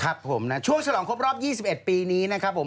ครับผมนะช่วงฉลองครบรอบ๒๑ปีนี้นะครับผม